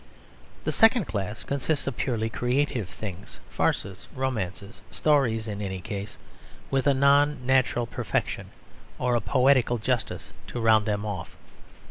The second class consists of purely creative things: farces, romances, stories in any case with a non natural perfection, or a poetical justice, to round them off.